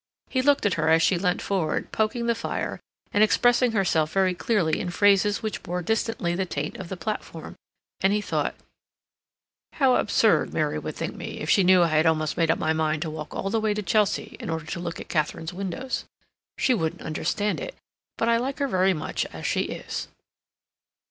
He looked at her as she leant forward, poking the fire, and expressing herself very clearly in phrases which bore distantly the taint of the platform, and he thought, "How absurd Mary would think me if she knew that I almost made up my mind to walk all the way to Chelsea in order to look at Katharine's windows. She wouldn't understand it, but I like her very much as she is."